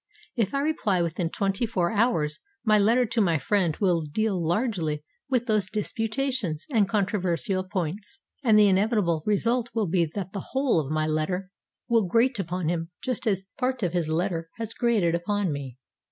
If I reply within twenty four hours, my letter to my friend will deal largely with those disputatious and controversial points, and the inevitable result will be that the whole of my letter will grate upon him just as part of his letter has grated upon me.